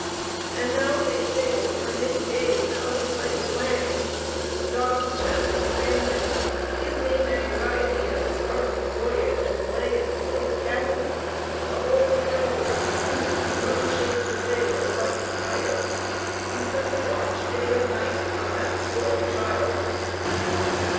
And now they sailed for many days out of sight of land; Dodd's chest expanded: his main anxiety at this part of the voyage lay in the state cabin; of all the perils of the sea none shakes a sailor like fire. He set a watch day and night on that spoiled child.